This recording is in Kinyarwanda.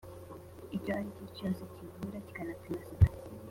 icyo aricyo cyose kivura kikanapima sida